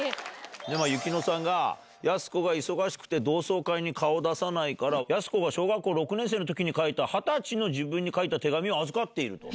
でもゆきのさんが、やす子が忙しくて同窓会に顔を出さないから、やす子が小学校６年生のときに書いた２０歳の自分に書いた手紙を預かっていると。